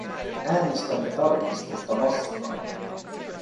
Äänestämme tarkistusta vastaan.